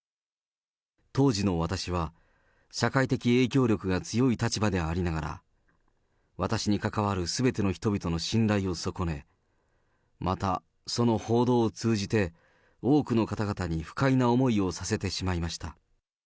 当時の私は、社会的影響力が強い立場でありながら、私に関わるすべての人々の信頼を損ね、また、その報道を通じて多くの方々に不快な思いをさせてしまいました。